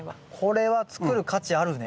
これは作る価値あるね。